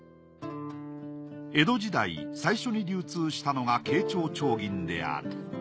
江戸時代最初に流通したのが慶長丁銀である。